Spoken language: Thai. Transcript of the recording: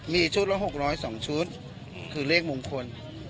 มีชุดละ๖๐๒ชุดคือเลขมงคล